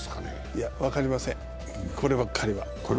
いや、分かりません、こればっかりは。